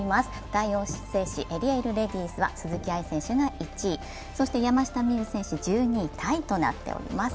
大王製紙エリエールレディスは鈴木選手が１位、そして山下美夢有選手、１２位タイとなっています。